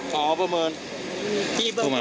ผู้ประเมินมูลค่า